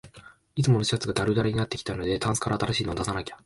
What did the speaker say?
いつものシャツがだるだるになってきたので、タンスから新しいの出さなきゃ